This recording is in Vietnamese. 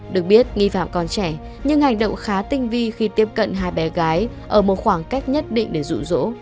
được biết nghi phạm còn trẻ nhưng hành động khá tinh vi khi tiếp cận hai bé gái ở một khoảng cách nhất định để rụ rỗ